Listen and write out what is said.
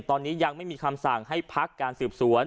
ตอนนี้ยังไม่มีคำสั่งให้พักการสืบสวน